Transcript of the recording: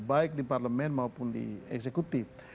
baik di parlemen maupun di eksekutif